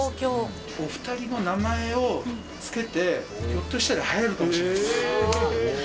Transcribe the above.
お２人の名前を付けて、ひょっとしたらはやるかもしれないです。